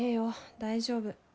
大丈夫。